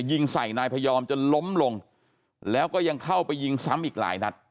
ยิงใส่นายพยอมจนล้มลงแล้วก็ยังเข้าไปยิงซ้ำอีกหลายนัด